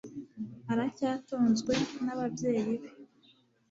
Aracyatunzwe nababyeyi be